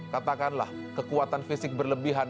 katakanlah kekuatan fisik berlebihan